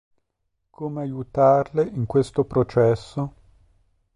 Come aiutarle in questo processo?